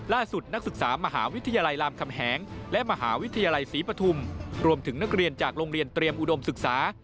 ร่วมถึงนักเรียนจากโรงเรียนเตรียมอุดอมศึกษา